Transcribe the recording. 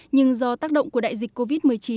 nhưng do tác động của đại dịch covid một mươi chín